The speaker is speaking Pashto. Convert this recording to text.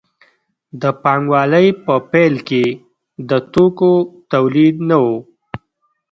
د پانګوالۍ په پیل کې د توکو تولید نه و.